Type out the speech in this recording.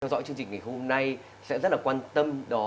theo dõi chương trình ngày hôm nay sẽ rất là quan tâm